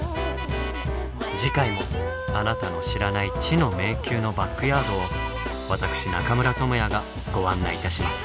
次回もあなたの知らない「知の迷宮」のバックヤードを私中村倫也がご案内いたします。